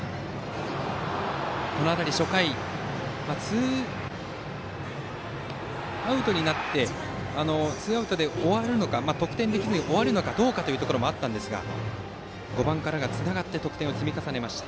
この辺り、初回ツーアウトで終わるのか得点できずに終わるのかどうかというところもあったんですが５番からがつながって得点を積み重ねました。